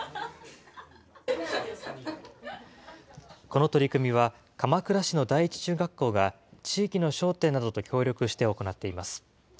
この取り組みは、鎌倉市の第一中学校が、地域の商店などと協力して行っています。